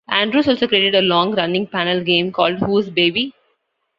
Andrews also created a long-running panel game called Whose Baby?